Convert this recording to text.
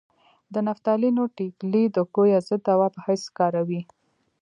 د نفتالینو ټېکلې د کویه ضد دوا په حیث کاروي.